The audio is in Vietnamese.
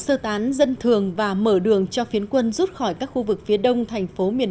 sơ tán dân thường và mở đường cho phiến quân rút khỏi các khu vực phía đông thành phố miền